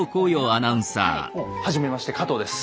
おお。はじめまして加藤です。